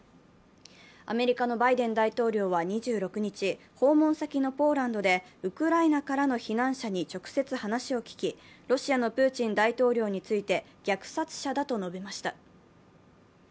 アメリカのバイデン大統領は２６日、訪問先のポーランドで、ウクライナからの避難者に直接話を聞きロシアのプーチン大統領について虐殺者だと述べました。